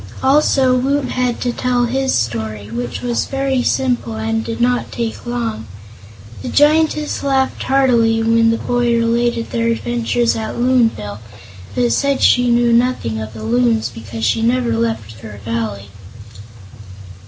Also Woot had to tell his story, which was very simple and did not take long. The Giantess laughed heartily when the boy related their adventure at Loonville, but said she knew nothing of the Loons because she never left her Valley.